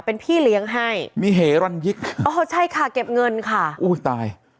เป็นพี่เลี้ยงให้มีเหรันยิกอ๋อใช่ค่ะเก็บเงินค่ะอุ้ยตาย